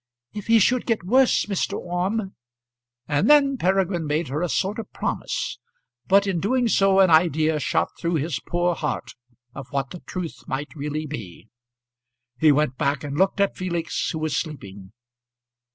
"If he should get worse, Mr. Orme ." And then Peregrine made her a sort of promise, but in doing so an idea shot through his poor heart of what the truth might really be. He went back and looked at Felix who was sleeping.